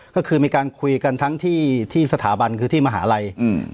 ก็คือมีการคุยกันทั้งที่ที่สถาบันคือที่มหาลัยอืม